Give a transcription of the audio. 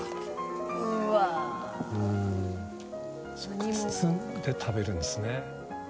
・うわ・これ包んで食べるんですね。